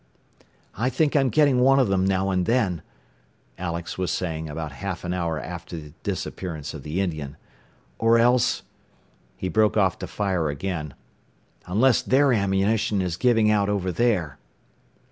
"I think I'm getting one of them now and then," Alex was saying about half an hour after the disappearance of the Indian. "Or else " He broke off to fire again. "Unless their ammunition is giving out over there."